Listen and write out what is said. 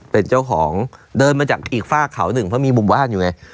เป็นเจ้าของเดินมาจากอีกฝากเขาหนึ่งเพราะมีมุมบ้านอยู่ไง